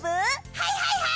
はいはいはい！